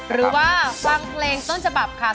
หรือว่าฟังเพลงต้นฉบับค่ะ